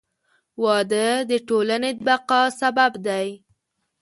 • واده د ټولنې د بقا سبب دی.